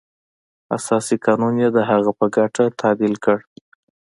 اساسي قانون یې د هغه په ګټه تعدیل کړ.